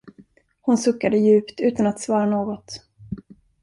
Hon suckade djupt, utan att svara något.